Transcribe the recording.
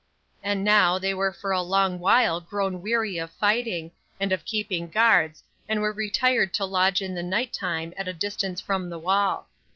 And now they were for a long while grown weary of fighting, and of keeping guards, and were retired to lodge in the night time at a distance from the wall.